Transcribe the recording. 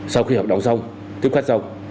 sau khi hợp đồng xong tiếp khách xong